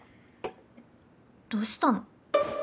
どうしたの？